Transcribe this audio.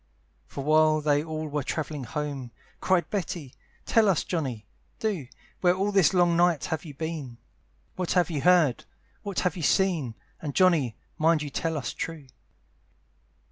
For while they all were travelling home, Cried Betty, "Tell us Johnny, do, "Where all this long night you have been, "What you have heard, what you have seen, "And Johnny, mind you tell us true."